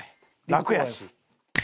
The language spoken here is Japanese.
楽やし。